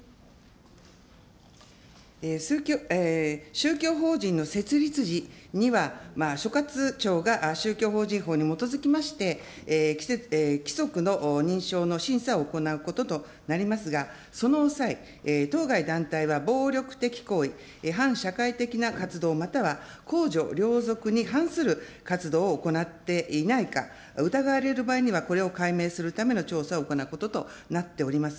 宗教法人の設立時には、所轄庁が宗教法人法に基づきまして、規則の認証の審査を行うこととなりますが、その際、当該団体は暴力的行為、反社会的な活動、または公序良俗に反する活動を行っていないか、疑われる場合にはこれを解明するための調査を行うこととなっております。